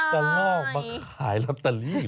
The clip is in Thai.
ตอนนอกมาขายลอตเตอรี่เหรอ